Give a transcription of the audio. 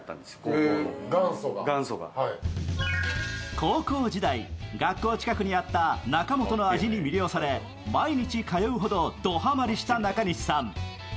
高校時代、学校近くにあった中本の味に魅了され毎日、通うほどドはまりした中西さん。